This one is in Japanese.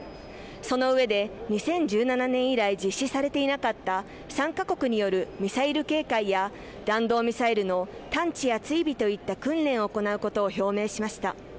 そのうえで、２０１７年以来実施されていなかった３カ国によるミサイル警戒や弾道ミサイルの探知や追尾といった訓練を行うことを表明しました。